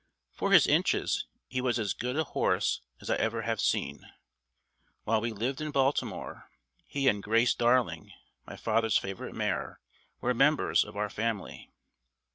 For his inches, he was as good a horse as I ever have seen. While we lived in Baltimore, he and "Grace Darling," my father's favorite mare, were members of our family.